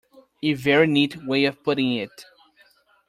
A very neat way of putting it.